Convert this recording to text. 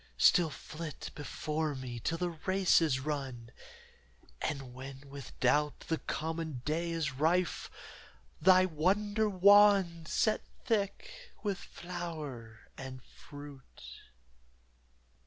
Still flit before me till the race is run, And when with doubt the common day is rife, Thy wonder wand set thick with flower and fruit.